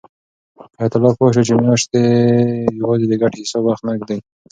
حیات الله پوه شو چې میاشتې یوازې د ګټې د حساب وخت نه دی.